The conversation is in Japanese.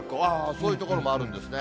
そういう所もあるんですね。